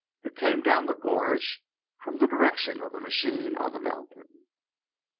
It came down the gorge, from the direction of the machine on the mountain.